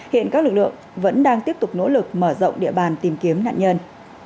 hiện các lực lượng vẫn đang tiếp tục nỗ lực mở rộng địa bàn tìm kiếm nạn nhân